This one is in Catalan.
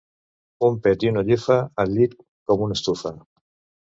Un pet i una llufa, el llit com una estufa.